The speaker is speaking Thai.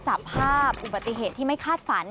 จากภาพอุบัติเหตุที่ไม่คาดฝัน